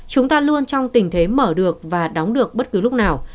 chúng ta luôn trong tình thế mở được và đóng được bất cứ lúc nào